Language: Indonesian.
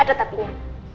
ada tapi nya